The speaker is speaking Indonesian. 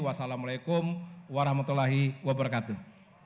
wassalamu alaikum warahmatullahi wabarakatuh